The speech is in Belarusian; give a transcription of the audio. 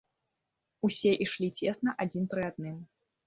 Усе ішлі цесна адзін пры адным.